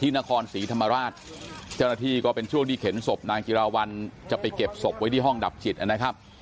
ที่นครศรีธรรมราชเจ้าหน้าที่ก็เป็นช่วงที่เข็นศพนางจิราวัลจะไปเก็บศพไว้ที่ห้องดับจิตนะครับ